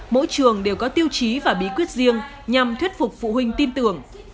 mỗi trường đều có tiêu chí và bí quyết riêng nhằm thuyết phục phụ huynh tin tưởng